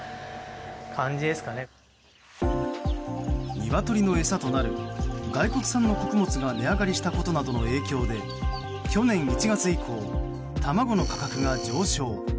ニワトリの餌となる外国産の穀物が値上がりしたことなどの影響で去年１月以降、卵の価格が上昇。